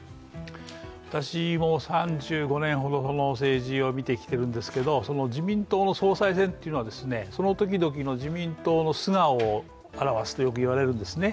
私も３５年ほど政治を見てきているんですけれども、自民党の総裁選というのは、その時々の自民党の素顔を表すとよく言われるんですね。